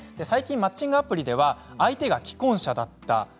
最近、マッチングアプリでは相手が既婚者だった。